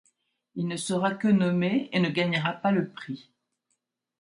Il ne sera que nommé, et ne gagnera pas le prix.